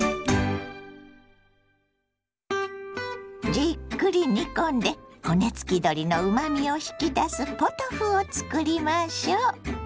じっくり煮込んで骨付き鶏のうまみを引き出すポトフを作りましょ。